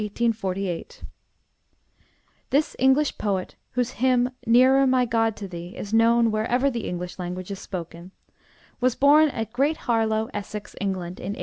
SARAH FLOWER ADAMS (1805 1848) This English poet, whose hymn, 'Nearer, my God, to Thee,' is known wherever the English language is spoken, was born at Great Harlow, Essex, England, in 1805.